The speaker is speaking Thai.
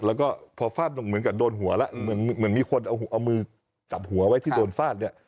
แล้วก็พอฟาดลงเหมือนกับโดนหัวแล้วเหมือนมีคนเอามือจับหัวไว้ที่โดนฟาดเนี่ย